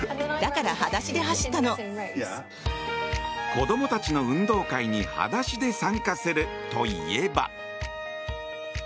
子供たちの運動会に裸足で参加するといえば。